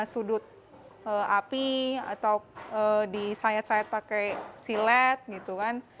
sudut api atau disayat sayat pakai silet gitu kan